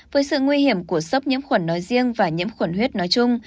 với sự nguy hiểm của sốc nhiễm khuẩn nói riêng và nhiễm khuẩn huyết nói chung